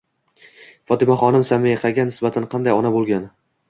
Fotimaxonim Samihaga nisbatan qanday ona bo'lsa